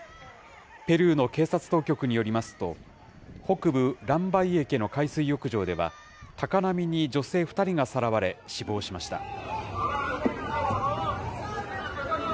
ペルーの警察当局によりますと、北部ランバイエケの海水浴場では、高波に女性２人がさらわれ、死亡しました。